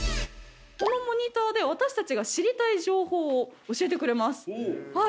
このモニターで私たちが知りたい情報を教えてくれます。